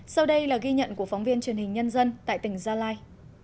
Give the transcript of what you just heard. sau đây là ghi nhận của phóng viên truyền hình nhân dân tại tỉnh gia lai